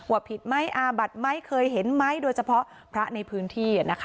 ผิดไหมอาบัติไหมเคยเห็นไหมโดยเฉพาะพระในพื้นที่